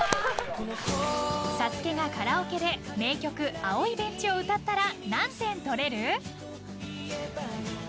サスケがカラオケで名曲「青いベンチ」を歌ったら何点取れる？